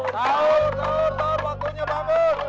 saur saur saur waktunya bangun